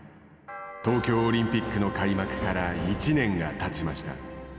東京オリンピックの開幕から１年がたちました。